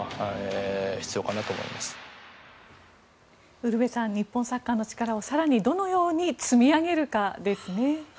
ウルヴェさん日本サッカーの力を更にどのように積み上げるかですね。